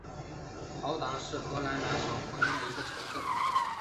豪达是荷兰南荷兰省的一座市镇。